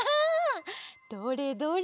どれどれ。